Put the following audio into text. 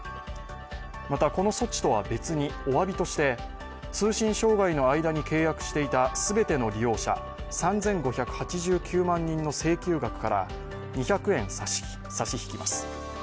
また、この措置とは別におわびとして、通信障害の間に契約していた全ての利用者３５８９万人の請求額から２００円差し引きます。